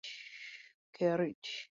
Twenty torpedoes could be carried.